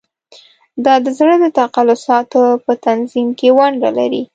دا د زړه د تقلصاتو په تنظیم کې ونډه لري.